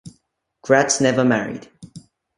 Gratz never married.